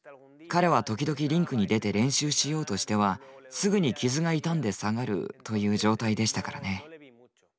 彼は時々リンクに出て練習しようとしてはすぐに傷が痛んで下がるという状態でしたからね。